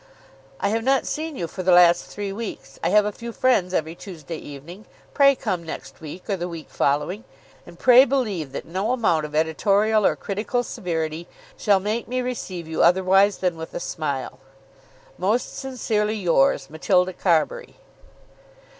I have not seen you for the last three weeks. I have a few friends every Tuesday evening; pray come next week or the week following. And pray believe that no amount of editorial or critical severity shall make me receive you otherwise than with a smile. Most sincerely yours, MATILDA CARBURY.